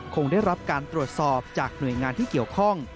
คงได้รับการตรวจสอบจากหน่วยงานที่เกี่ยวข้อง